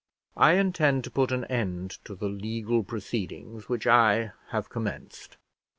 "I intend to put an end to the legal proceedings which I have commenced."